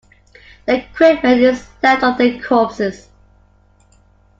Their equipment is left on their corpses.